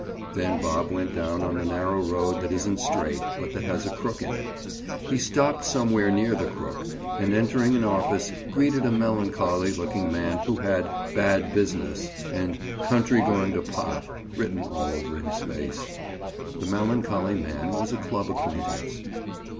Then Bob went down on the narrow road that isn't straight, but that has a crook in it. He stopped somewhere near the crook, and entering an office greeted a melancholy looking man who had "bad business" and "country going to pot" written all over his face. The melancholy man was a club acquaintance.